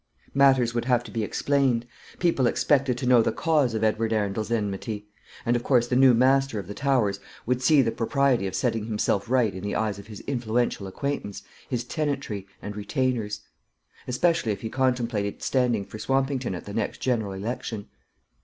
Matters would have to be explained. People expected to know the cause of Edward Arundel's enmity; and of course the new master of the Towers would see the propriety of setting himself right in the eyes of his influential acquaintance, his tenantry, and retainers; especially if he contemplated standing for Swampington at the next general election.